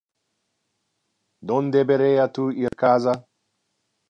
Non deberea tu ir casa?